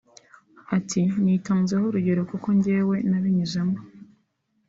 Ati “Nitanzeho urugero kuko njyewe nabinyuzemo